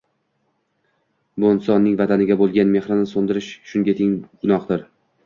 bir insonning vataniga bo‘lgan mehrini so‘ndirish shunga teng gunohdir.